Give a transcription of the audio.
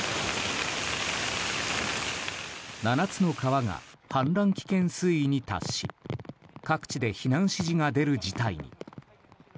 ７つの川が氾濫危険水位に達し各地で避難指示が出る事態に。